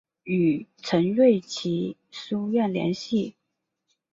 与陈瑞祺书院联系。